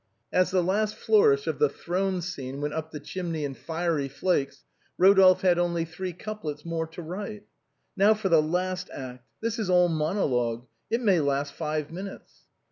As the last flourish of the throne scene went up the chimney in fiery flakes, Rodolphe had only three coup lets more to write. " Now for the last act. This is all monologue. It may last five minutes."